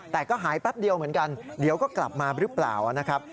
แต่ก็หายแป๊บเดียวเหมือนกันเดี๋ยวก็กลับมาหรือเปล่านะครับ